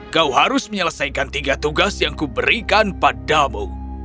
kau harus menyelesaikan tiga tugas yang kuberikan padamu